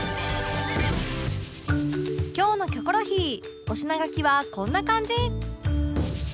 今日の『キョコロヒー』お品書きはこんな感じ